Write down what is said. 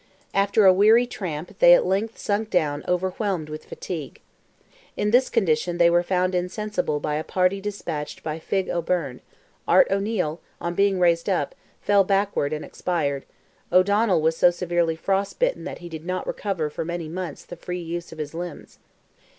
After a weary tramp they at length sunk down overwhelmed with fatigue. In this condition they were found insensible by a party despatched by Feagh O'Byrne; Art O'Neil, on being raised up, fell backward and expired; O'Donnell was so severely frost bitten that he did not recover for many months the free use of his limbs.